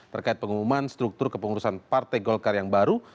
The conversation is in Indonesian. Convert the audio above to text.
terkait pengumuman struktur kepengurusan partai golkar yang baru